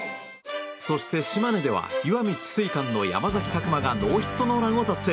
そして、島根では石見智翠館の山崎琢磨がノーヒットノーランを達成。